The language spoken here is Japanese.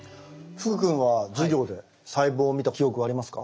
福くんは授業で細胞を見た記憶はありますか？